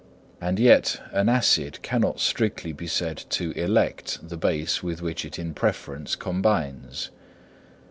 —and yet an acid cannot strictly be said to elect the base with which it in preference combines.